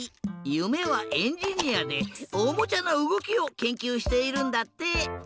ゆめはエンジニアでおもちゃのうごきをけんきゅうしているんだって！